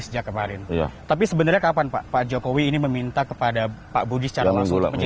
sejak kemarin tapi sebenarnya kapan pak jokowi ini meminta kepada pak budi secara langsung menjadi